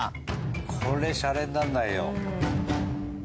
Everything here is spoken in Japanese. これしゃれにならないよ。